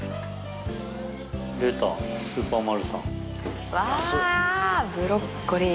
出たスーパーマルサン。